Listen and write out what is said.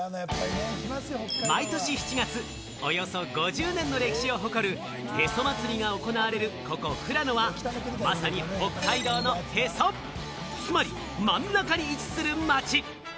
毎年７月をおよそ５０年の歴史を誇るへそ祭りが行われる富良野は、まさに北海道のへそ、つまり真ん中に位置する街。